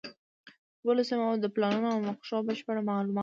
د خپلو سیمو د پلانونو او نقشو بشپړ معلومات